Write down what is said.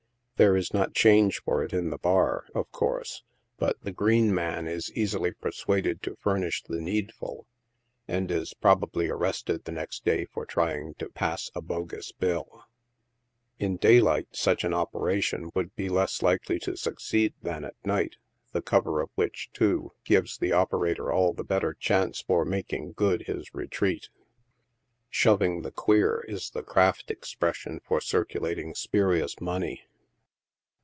There is not change for it in the bar— of course— but the green man is easily per 64 NIGHT SIDE OF NEW YOKE. suaded to furnish the nesdful, and is probably arrested the next day for trying to pass a bogus bill ! In daylight such an operation would be less likely to succeed than at night, the cover of which, too, gives the operator all the belter chance for making good his retreat. '; Shoving the queer" is the craft expression for circulating spuri ous money.